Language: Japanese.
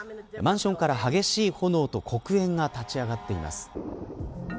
マンションから激しい炎と黒煙が立ちあがっています。